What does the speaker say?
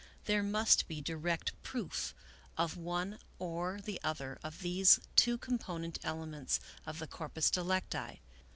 There must be direct proof of one or the other of these two component elements of the corpus delicti.